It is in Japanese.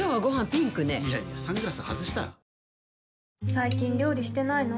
最近料理してないの？